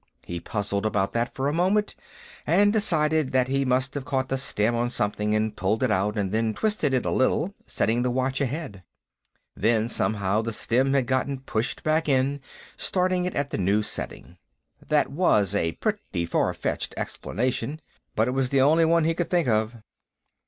He puzzled about that for a moment, and decided that he must have caught the stem on something and pulled it out, and then twisted it a little, setting the watch ahead. Then, somehow, the stem had gotten pushed back in, starting it at the new setting. That was a pretty far fetched explanation, but it was the only one he could think of.